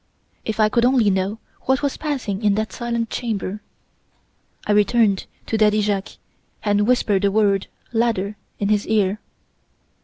If I could only know what was passing in that silent chamber! I returned to Daddy Jacques and whispered the word 'ladder' in his ear.